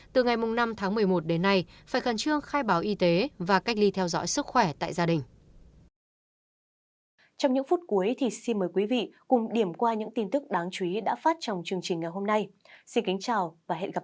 từ ngày năm tháng một mươi một đến nay phải khẩn trương khai báo y tế và cách ly theo dõi sức khỏe tại gia đình